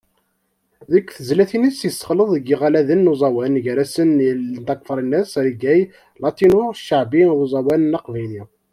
Deg tezlatin-is, yessexleḍ deg yiɣaladen n uẓawan, gar-asen Yal n Takfarinas, Reggai, Latino, Ccaɛbi, d uẓawan aqbayli.